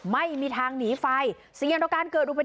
หลบ